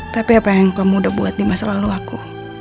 tapi apa yang kamu udah buat di masa lalu aku